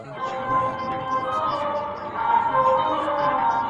زه خوارکی يم، لکه ټپه انتظار,